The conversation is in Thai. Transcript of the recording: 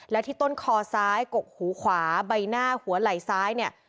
และที่ต้นคอซ้ายกกหูขวาใบหน้าหัวไหล่ซ้ายเนี่ย